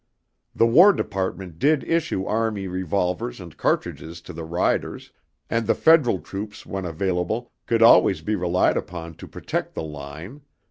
The War Department did issue army revolvers and cartridges to the riders; and the Federal troops when available, could always be relied upon to protect the line.